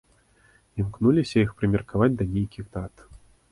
Імкнуліся іх прымеркаваць да нейкіх дат.